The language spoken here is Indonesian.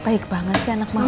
baik banget sih anak mau